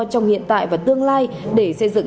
trong hiện tại và tương lai để xây dựng